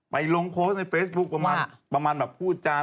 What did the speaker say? ไปลงโพสต์ในเฟซบุ๊คประมาณแบบพูดจาน